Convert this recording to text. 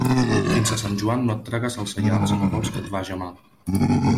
Fins a Sant Joan no et tragues el saial, si no vols que et vaja mal.